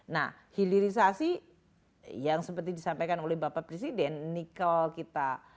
nah hilirisasi yang seperti disampaikan oleh bapak presiden nikel kita